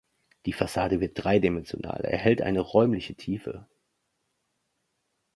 Die Fassade wird dreidimensional, erhält eine räumliche Tiefe.